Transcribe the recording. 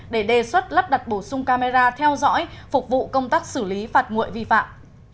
để đề xuất lắp đặt bổ sung camera theo dõi phục vụ công tác xử lý phạt nguội vi phạm